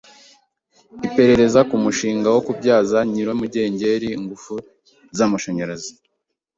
Iperereza ku mushinga wo kubyaza nyiramugengeri ingufu z amashanyarazi